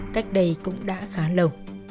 cách đây cũng đã khá lâu